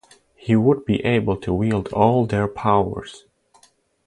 He would be able to wield all their powers.